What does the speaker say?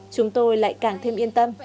chúng tôi lại càng thêm yên tâm